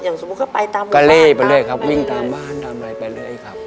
อย่างสมมุติก็ไปตามไปเลยครับวิ่งตามบ้านตามอะไรไปเลยครับ